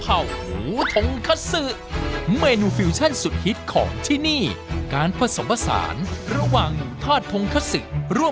เอาจานนี้ออกมาก่อนเลย